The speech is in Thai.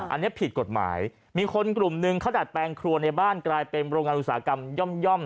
อันนี้ผิดกฎหมายมีคนกลุ่มหนึ่งเขาดัดแปลงครัวในบ้านกลายเป็นโรงงานอุตสาหกรรมย่อม